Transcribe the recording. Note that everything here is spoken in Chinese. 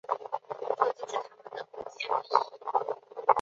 这就是他们的贡献和意义。